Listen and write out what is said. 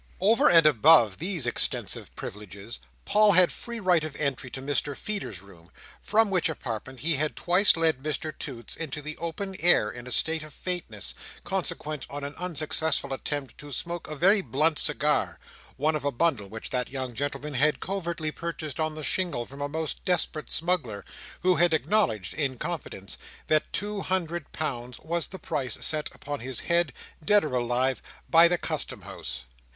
Over and above these extensive privileges, Paul had free right of entry to Mr Feeder's room, from which apartment he had twice led Mr Toots into the open air in a state of faintness, consequent on an unsuccessful attempt to smoke a very blunt cigar: one of a bundle which that young gentleman had covertly purchased on the shingle from a most desperate smuggler, who had acknowledged, in confidence, that two hundred pounds was the price set upon his head, dead or alive, by the Custom House.